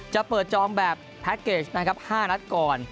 จะเปิดจองแบบแพ็คเกจนะครับ๕นัดก่อน